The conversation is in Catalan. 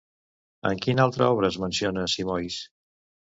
En quina altra obra es menciona Simois?